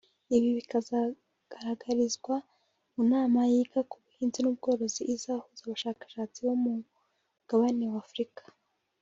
ibi bikazagaragarizwa mu nama yiga ku buhinzi n’ubworozi izahuza abashakashatsi bo ku mugabane w’Afurika